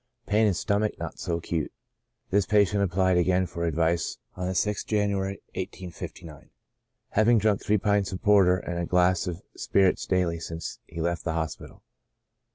Pain in stomach not so acute." This patient applied again for advice on the 6th January, 1859, having drunk three pints of porter and a glass of spirits daily since he left the hospital.